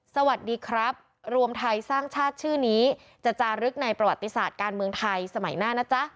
สวัสดีครับรวมไทยสร้างชาติชื่อนี้จะจารึกในประวัติศาสตร์การเมืองไทยสมัยหน้านะจ๊ะ